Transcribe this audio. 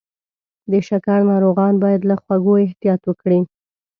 د شکر ناروغان باید له خوږو احتیاط وکړي.